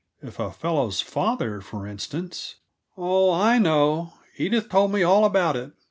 If a fellow's father, for instance " "Oh, I know; Edith told me all about it."